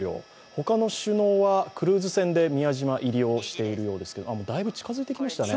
他の首脳はクルーズ船で宮島入りをしているようですが、だいぶ近づいてきていますね。